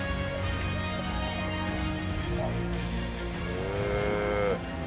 へえ。